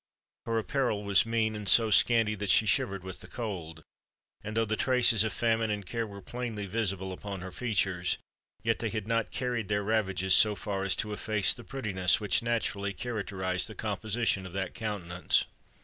Her apparel was mean, and so scanty that she shivered with the cold; and though the traces of famine and care were plainly visible upon her features, yet they had not carried their ravages so far as to efface the prettiness which naturally characterised the composition of that countenance.